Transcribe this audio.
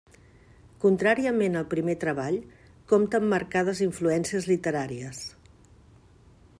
Contràriament al primer treball, compta amb marcades influències literàries.